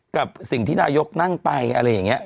กับสิ่งที่นายกนั่งไปอะไรอย่างนี้